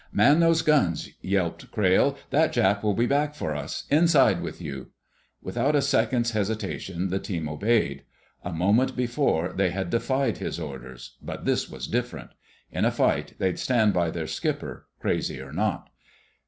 "Man those guns!" yelped Crayle. "That Jap will be back for us. Inside with you!" Without a second's hesitation the team obeyed. A moment before they had defied his orders, but this was different. In a fight they'd stand by their skipper, crazy or not.